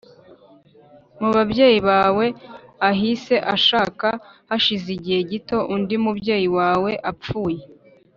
mu babyeyi bawe ahise ashaka hashize igihe gito undi mubyeyi wawe apfuye